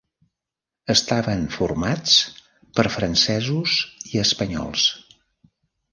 Estaven formats per francesos i espanyols.